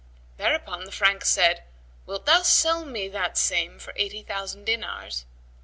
Thereupon the Frank said, "Wilt thou sell me that same for eighty thousand dinars?"